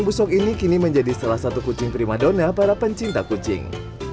dan busok ini kini menjadi salah satu kucing prima donna para pencinta kucing